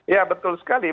ya betul sekali